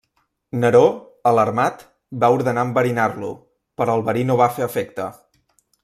Neró, alarmat, va ordenar enverinar-lo, però el verí no va fer efecte.